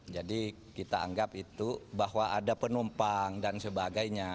jadi kita anggap itu bahwa ada penumpang dan sebagainya